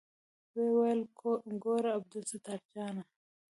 ويې ويل ګوره عبدالستار جانه.